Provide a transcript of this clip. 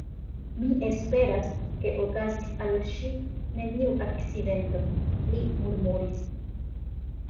Mi esperas, ke okazis al ŝi neniu akcidento, li murmuris.